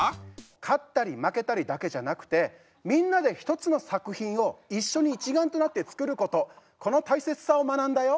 勝ったり負けたりだけじゃなくてみんなで一つの作品を一緒に一丸となって作ることこの大切さを学んだよ。